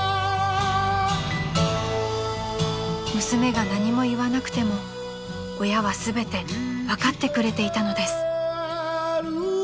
［娘が何も言わなくても親は全て分かってくれていたのです］